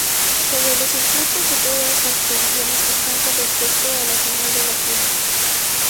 Sobre los circuitos, todos las tensiones están con respecto a la señal de tierra.